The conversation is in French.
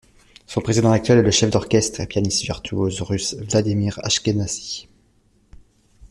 Son président actuel est le chef d'orchestre et pianiste virtuose russe Vladimir Ashkenazy.